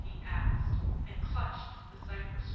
he asked, and clutched the cypress trunk.